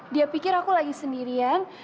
dia pikir aku lagi sendirian